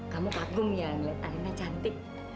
kamu kagum ya ngeliat anginnya cantik